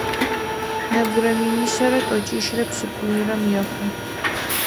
Нэбгырэ минишъэрэ тӏокӏищрэ пшӏыкӏуйрэм ехъу.